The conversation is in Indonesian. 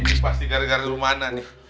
ini pasti gara gara gimana nih